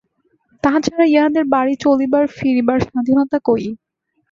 তাহা ছাড়া ইহাদের বাড়ি চলিবার ফিরিবার স্বাধীনতা কই?